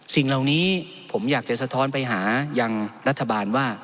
สิ่งเหล่านี้ผมอยากจะสะท้อนไปหายังรัฐบาลว่า